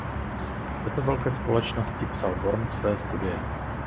O této velké společnosti psal Born své studie.